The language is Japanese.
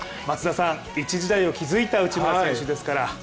松田さん、一時代を築いた内村選手ですから。